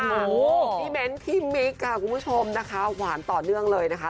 โอ้โหพี่เบ้นพี่มิกค่ะคุณผู้ชมนะคะหวานต่อเนื่องเลยนะคะ